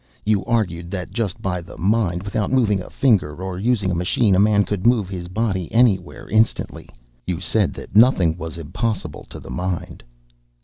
"You argued that just by the mind, without moving a finger or using a machine, a man could move his body anywhere, instantly. You said that nothing was impossible to the mind."